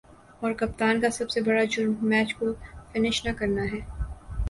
اور کپتان کا سب سے برا جرم" میچ کو فنش نہ کرنا ہے